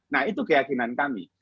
nah itu keyakinan kami